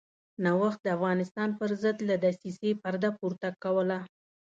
نوښت د افغانستان پرضد له دسیسې پرده پورته کوله.